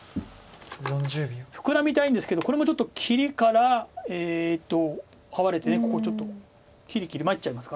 フクラみたいんですけどこれもちょっと切りからハワれてここちょっと切り切り参っちゃいますから。